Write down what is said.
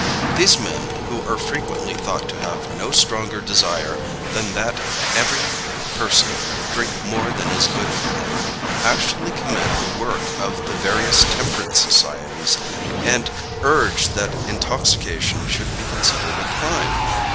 These men, who are frequently thought to have no stronger desire than that every person drink more than is good for him, actually commend the work of the various temperance societies and urge that intoxication should be considered a crime.